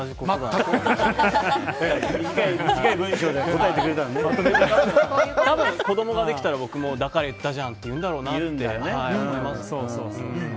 多分、子供ができたら僕もだから言ったじゃんって言うんだろうなって思います。